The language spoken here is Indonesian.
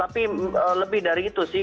tapi lebih dari itu sih